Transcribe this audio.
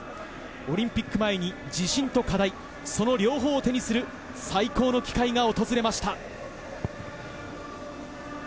オリンピック前に自信と課題、両方を手にする最高の機会が訪れました。